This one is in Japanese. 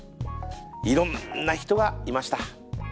いろんな人がいました。